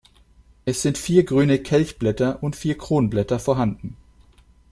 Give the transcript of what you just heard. Es sind vier grüne Kelchblätter und vier Kronblätter vorhanden.